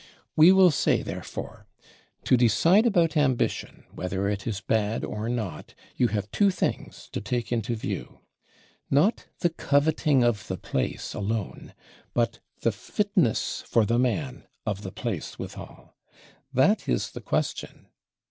We will say therefore: To decide about ambition, whether it is bad or not, you have two things to take into view. Not the coveting of the place alone, but the fitness for the man of the place withal: that is the question.